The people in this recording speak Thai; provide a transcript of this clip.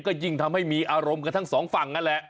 ก็ยิ่งทำให้มีอารมณ์กันทั้งสองฝั่งนั่นแหละ